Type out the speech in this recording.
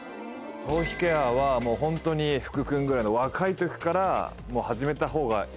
頭皮ケアはもうホントに福君ぐらいの若い時からもう始めた方がいいのか。